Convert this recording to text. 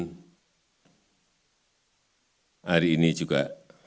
dan hari ini juga